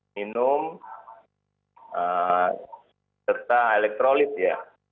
minum serta elektrolit ya